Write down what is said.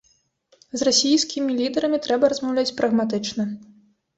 З расійскімі лідарамі трэба размаўляць прагматычна.